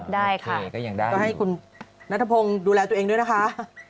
ได้ค่ะก็ให้คุณนัทพงศ์ดูแลตัวเองด้วยนะคะ